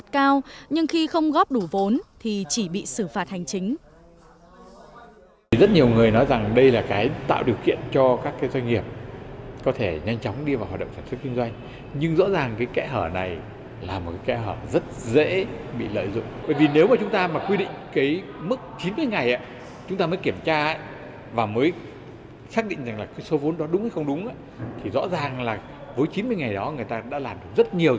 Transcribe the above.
cũng được đăng ký kinh doanh với số vốn rất cao nhưng khi không góp đủ vốn thì chỉ bị xử phạt hành chính